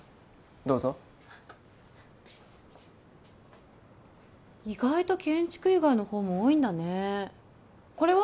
どうぞ意外と建築以外の本も多いんだねこれは？